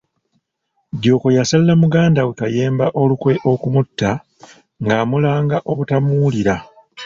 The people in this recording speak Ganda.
Jjuuko yasalira muganda we Kayemba olukwe okumutta, ng'amulanga obutamuwulira.